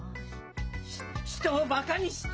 ひ人をバカにして。